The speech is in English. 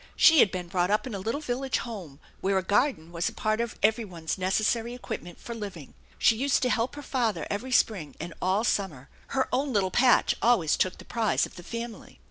She had been brought up in a little village home, where a garden was a part of every one's necessary equipment for living. She used to kelp her father every spring and all summer. Her own littk patch always took the prize of the family.